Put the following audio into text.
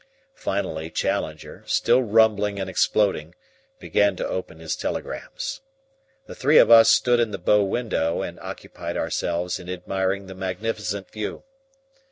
Finally Challenger, still rumbling and exploding, began to open his telegrams. The three of us stood in the bow window and occupied ourselves in admiring the magnificent view.